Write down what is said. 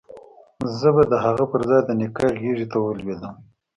زه به د هغه پر ځاى د نيکه غېږې ته ولوېدم.